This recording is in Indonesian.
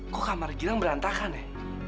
kok kamar gilang berantakan ya